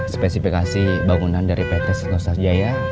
spesifikasi bangunan dari pt sirkosa jaya